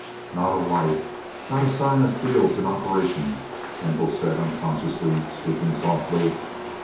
"Not a light not a sign of fields in operation." Kendall said, unconsciously speaking softly.